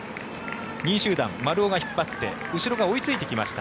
２位集団、丸尾が引っ張って後ろが追いついてきました。